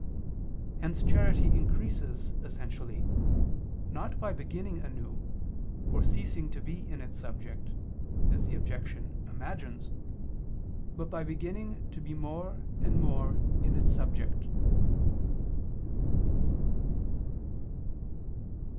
Hence charity increases essentially, not by beginning anew, or ceasing to be in its subject, as the objection imagines, but by beginning to be more and more in its subject.